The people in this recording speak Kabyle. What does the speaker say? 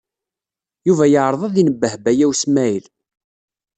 Yuba yeɛreḍ ad inebbeh Baya U Smaɛil.